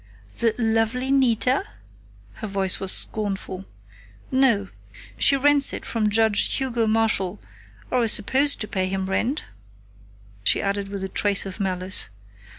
"The 'lovely Nita'?" Her voice was scornful. "No. She rents it from Judge Hugo Marshall or is supposed to pay him rent," she added with a trace of malice.